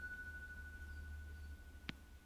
খেয়ে ঘুমোতে যা!